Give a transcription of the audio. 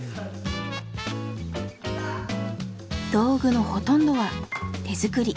道具のほとんどは手作り。